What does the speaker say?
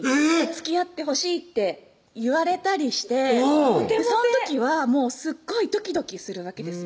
「つきあってほしい」って言われたりしてその時はすっごいドキドキするわけです